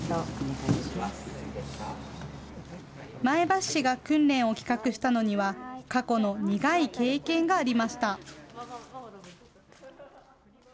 前橋市が訓練を企画したのには、過去の苦い経験がありました。